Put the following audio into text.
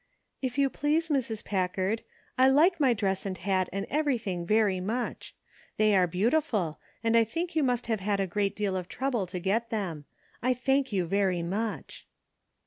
" If you please, Mrs. Packard, I like my dress and hat and everything very much ; they are beautiful, and I think you must have had a great deal of trouble to get them. I thank you very much."